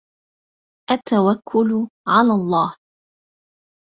التوكل على الله